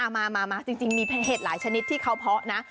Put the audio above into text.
มาจริงมีเห็ดหลายชนิดที่เขาเพาะนะ